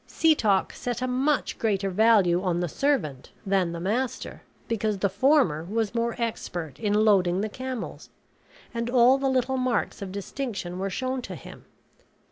Setoc set a much greater value on the servant than the master, because the former was more expert in loading the camels; and all the little marks of distinction were shown to him.